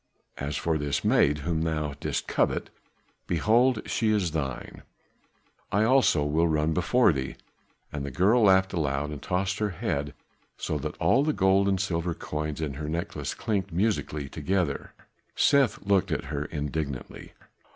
As for this maid whom thou didst covet, behold she is thine; I also will run before thee.'" And the girl laughed aloud, and tossed her head so that all the gold and silver coins of her necklace clinked musically together. Seth looked at her indignantly.